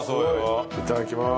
いただきます。